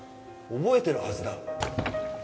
覚えてるはずだ。